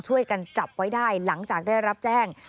ช่วยกันจับไว้ได้หลังจากได้รับแจ้ง